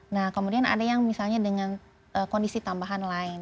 nah kemudian ada yang misalnya dengan kondisi tambahan lain